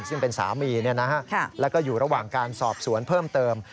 ซึ่งเป็นสามีแล้วก็อยู่ระหว่างการสอบสวนเพิ่มเติม